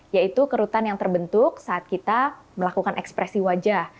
yaitu kerutan yang terbentuk saat kita melakukan ekspresi wajah